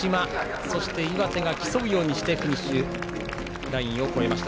そして岩手が競うようにしてフィニッシュのラインを越えました。